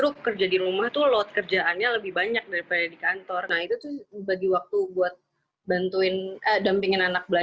berita terkini mengenai cuaca ekstrem di jawa tenggara